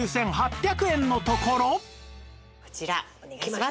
こちらお願いします。